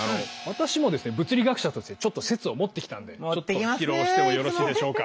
私もですね物理学者としてちょっと説を持ってきたのでちょっと披露してもよろしいでしょうか。